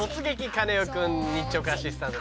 カネオくん」日直アシスタント